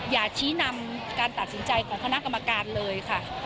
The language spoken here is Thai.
อย่าชี้นำการตัดสินใจของคณะกรรมการเลยค่ะ